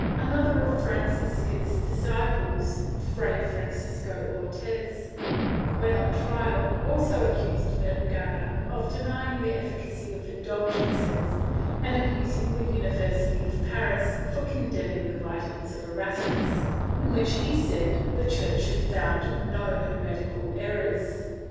Another of Francisca's disci ples, Fray Francisco Ortiz, when on trial, also accused Vergara of denying the efficacy of indulgences and abusing the University of Paris for condemning the writings of Erasmus, in which, he said, the Church had found no heretical errors.